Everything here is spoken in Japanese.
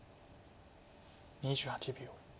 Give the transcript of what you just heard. ２８秒。